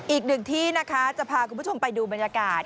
อีกหนึ่งที่นะคะจะพาคุณผู้ชมไปดูบรรยากาศ